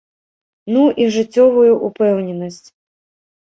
Ну, і жыццёвую упэўненасць.